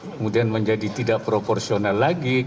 kemudian menjadi tidak proporsional lagi